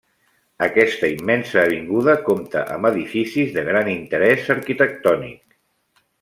Aquesta immensa avinguda compta amb edificis de gran interès arquitectònic.